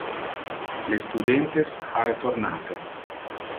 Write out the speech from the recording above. Le studentes ha retornate.